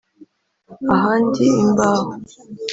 ahandi imbaho